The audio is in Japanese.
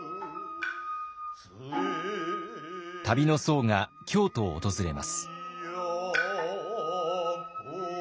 旅の僧が京都を訪れます。